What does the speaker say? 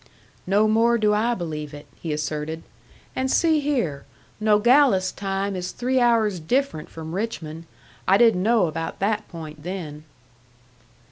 "No more do I believe it," he asserted. "And see here! Nogales time is three hours different from Richmond. I didn't know about that point then."